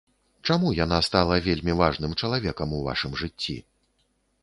Чаму яна стала вельмі важным чалавекам у вашым жыцці?